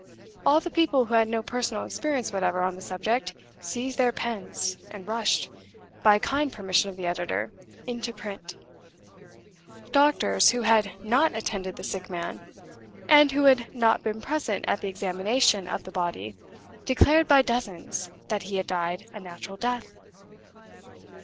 All the people who had no personal experience whatever on the subject seized their pens, and rushed (by kind permission of the editor) into print. Doctors who had not attended the sick man, and who had not been present at the examination of the body, declared by dozens that he had died a natural death.